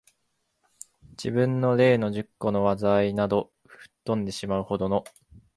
自分の例の十個の禍いなど、吹っ飛んでしまう程の、